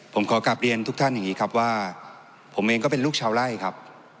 ผมขอกลับเรียนทุกท่านอย่างนี้ครับว่าผมเองก็เป็นลูกชาวไล่ครับ